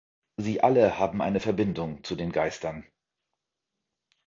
Sie alle haben eine Verbindung zu den Geistern.